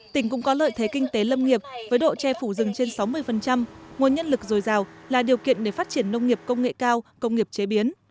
tỉnh cũng có lợi thế kinh tế lâm nghiệp với độ che phủ rừng trên sáu mươi nguồn nhân lực dồi dào là điều kiện để phát triển nông nghiệp công nghệ cao công nghiệp chế biến